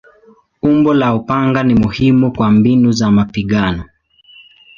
Umbo la upanga ni muhimu kwa mbinu za mapigano.